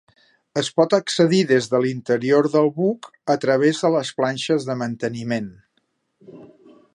Es pot accedir des de l'interior del buc a través de les planxes de manteniment.